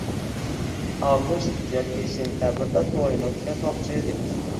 Avgust yoki sentyabrda to`yini o`tkazmoqchi edik